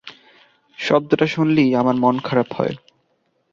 শব্দটা শুনলেই আমার মন খারাপ হয়।